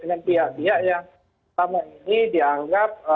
dengan pihak pihak yang selama ini dianggap